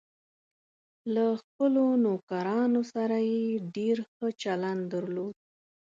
له خپلو نوکرانو سره یې ډېر ښه چلند درلود.